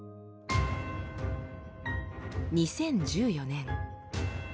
２０１４年。